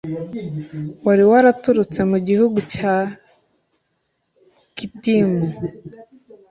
wari waraturutse mu gihugu cya kitimu